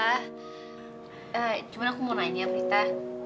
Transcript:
eh cuma aku mau nanya prita